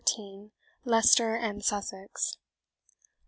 Leicester and Sussex.